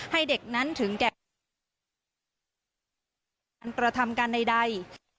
ให้เด็กนั้นถึงแก่อันกระทำการใด